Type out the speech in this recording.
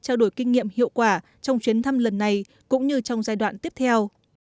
trao đổi kinh nghiệm hiệu quả trong chuyến thăm lần này cũng như trong giai đoạn tiếp theo